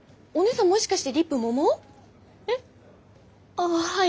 あっはい。